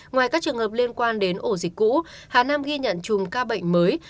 ngoài các trường hợp liên quan đến ổ dịch cũ hà nam ghi nhận chùm ca bệnh mới